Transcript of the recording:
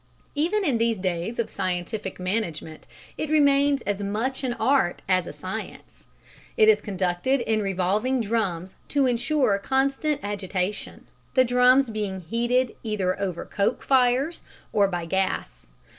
Even in these days of scientific management it remains as much an art as a science. It is conducted in revolving drums to ensure constant agitation, the drums being heated either over coke fires or by gas.